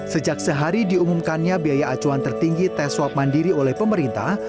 sejak sehari diumumkannya biaya acuan tertinggi tes swab mandiri oleh pemerintah